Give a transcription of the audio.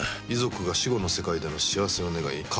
遺族が死後の世界での幸せを願い